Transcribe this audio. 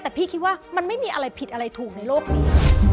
แต่พี่คิดว่ามันไม่มีอะไรผิดอะไรถูกในโลกนี้